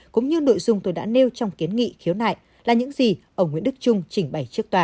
cũng như nội dung tôi đã nêu trong kiến nghị khiếu nại là những gì ông nguyễn đức trung trình bày trước tòa